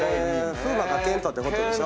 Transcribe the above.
風磨か健人ってことでしょ。